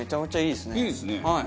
いいですね。